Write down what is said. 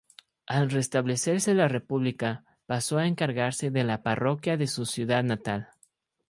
Al restablecerse la república pasó a encargarse de la parroquia de su ciudad natal.